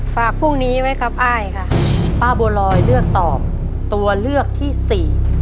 พรุ่งนี้ไว้ครับอ้ายค่ะป้าบัวลอยเลือกตอบตัวเลือกที่สี่